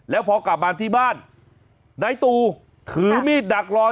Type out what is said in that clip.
แล้วพอกลับมาที่บ้านนายตูถือมีดดักรอ